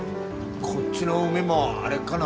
こっちの海も荒れっかな。